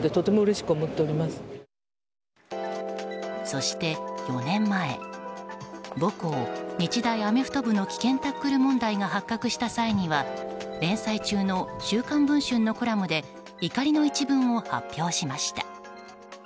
そして４年前母校・日大アメフト部の危険タックル問題が発覚した際には連載中の「週刊文春」のコラムで怒りの一文を発表しました。